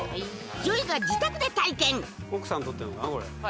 ＪＯＹが自宅で体験おっ